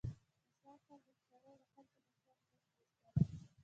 خو سږکال وچکالۍ له خلکو د ژوند روح ویستلی.